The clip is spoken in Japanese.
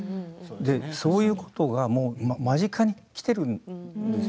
そういうことが間近に来ているんですよ。